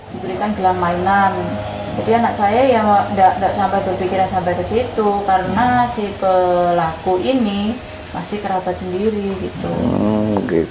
dibelikan gelang mainan jadi anak saya yang tidak sampai berpikiran sampai ke situ karena si pelaku ini masih kerabat sendiri